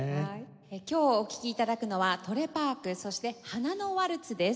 今日お聴き頂くのは『トレパーク』そして『花のワルツ』です。